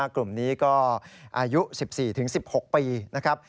กลุ่มนี้ก็อายุ๑๔๑๖ปีนะครับ